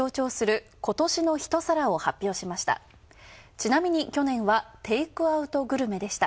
ちなみに去年はテイクアウトグルメでした。